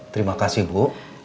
terima kasih bu